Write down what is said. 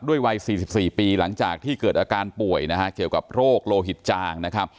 วัย๔๔ปีหลังจากที่เกิดอาการป่วยนะฮะเกี่ยวกับโรคโลหิตจางนะครับ